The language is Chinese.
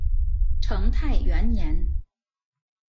成泰元年。